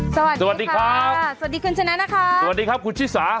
สวัสดีครับสวัสดีคุณชนะนะคะสวัสดีครับคุณชิสา